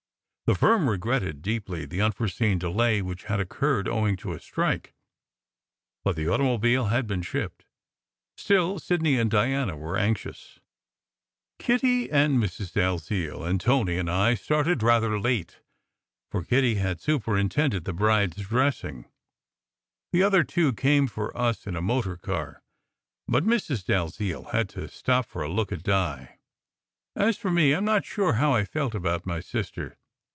The firm regretted deeply the unforeseen delay which had occurred owing to a strike, but the automobile had been shipped. Still Sidney and Diana were anxious. Kitty and Mrs. Dalziel and Tony and I started rather late, for Kitty had superintended the bride s dressing. The other two came for us in a motor car, but Mrs. Dalziel had to stop for a look at Di. As for me, I m not sure how I felt about my sister.